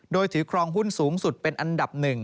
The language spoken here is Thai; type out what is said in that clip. โดยถือครองหุ้นสูงสุดเป็นอันดับ๑